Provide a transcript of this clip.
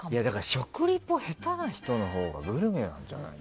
食リポ下手な人のほうがグルメなんじゃない？